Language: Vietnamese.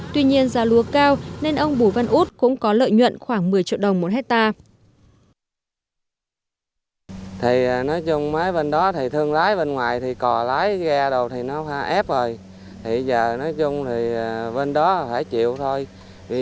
tuy nhiên giá lúa cao nên ông bù văn út cũng có lợi nhuận khoảng một mươi triệu đồng một hectare